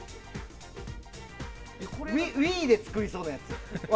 Ｗｉｉで作りそうなやつ。